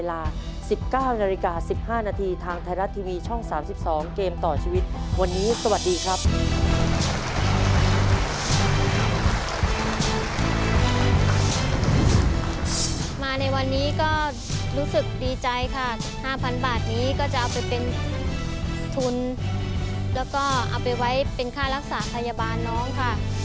แล้วก็เอาไปไว้เป็นค่ารักษาพยาบาลน้องค่ะ